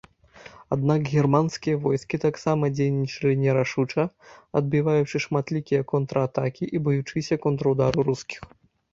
Аднак германскія войскі таксама дзейнічалі нерашуча, адбіваючы шматлікія контратакі і баючыся контрудару рускіх.